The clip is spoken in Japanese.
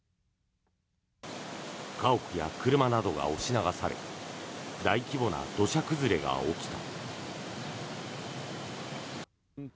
家屋や車などが押し流され大規模な土砂崩れが起きた。